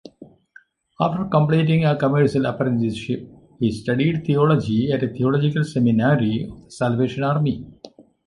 After completing a commercial apprenticeship, he studied theology at a theological seminary of the Salvation Army.